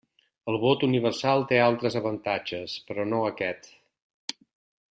El vot universal té altres avantatges, però no aquest.